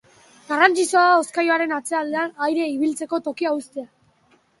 Garrantzitsua da hozkailuaren atzealdean airea ibiltzeko tokia uztea.